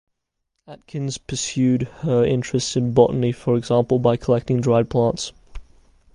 Atkins pursued her interests in botany, for example by collecting dried plants.